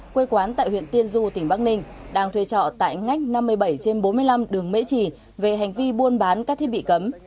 quê quán tại huyện tiên du tỉnh bắc ninh đang thuê trọ tại ngách năm mươi bảy trên bốn mươi năm đường mễ trì về hành vi buôn bán các thiết bị cấm